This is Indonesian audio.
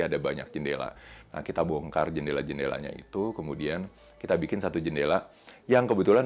ada banyak jendela kita bongkar jendela jendelanya itu kemudian kita bikin satu jendela yang kebetulan